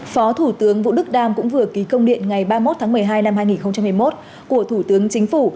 phó thủ tướng vũ đức đam cũng vừa ký công điện ngày ba mươi một tháng một mươi hai năm hai nghìn hai mươi một của thủ tướng chính phủ